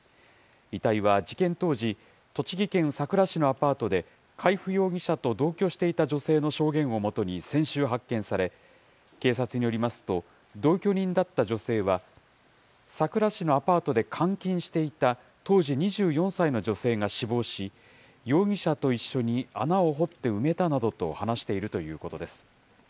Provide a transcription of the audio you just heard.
遺体は事件当時、栃木県さくら市のアパートで海部容疑者と同居していた女性の証言を基に先週発見され、警察によりますと、同居人だった女性は、さくら市のアパートで監禁していた当時２４歳の女性が死亡し、容疑者と一緒に穴を掘って埋めたなどと話しているということです。